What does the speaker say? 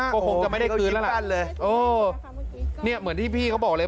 ก็คงจะไม่ได้คืนแล้วกันเลยเออเนี่ยเหมือนที่พี่เขาบอกเลย